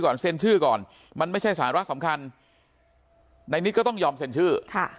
เซ็นชื่อก่อนมันไม่ใช่สาระสำคัญในนิดก็ต้องยอมเซ็นชื่อ